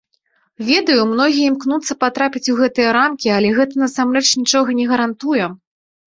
Ведаю, многія імкнуцца патрапіць у гэтыя рамкі, але гэта насамрэч нічога не гарантуе.